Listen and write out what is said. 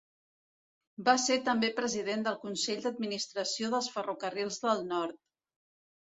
Va ser també President del Consell d'Administració dels Ferrocarrils del Nord.